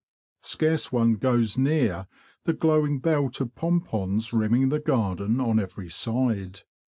Scarce one goes near the glowing belt of pompons rimming the garden on every side.